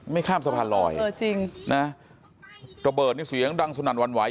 ข้ามสะพานลอยเออจริงนะระเบิดนี่เสียงดังสนั่นวันไหว